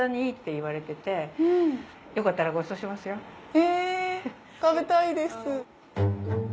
え食べたいです。